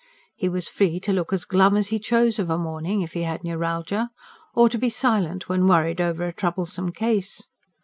He was free to look as glum as he chose of a morning if he had neuralgia; or to be silent when worried over a troublesome case.